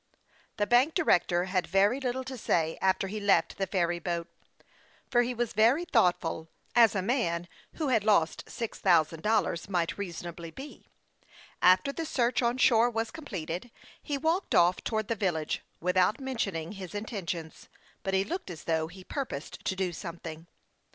The bank director had very little to say after he left the ferry boat ; but he was very thoughtful, as a man who had lost six thousand dollars might reason ably be. After the search on shore was completed, he walked off towards the village without mention ing his intentions, but he looked as though he pur posed to do something.